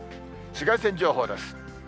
紫外線情報です。